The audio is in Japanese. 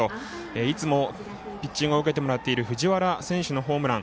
いつもピッチングを受けてもらっている藤原選手のホームラン。